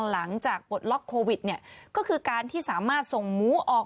ปลดล็อกโควิดเนี่ยก็คือการที่สามารถส่งหมูออก